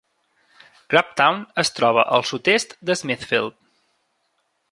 Grabtown es troba al sud-est de Smithfield.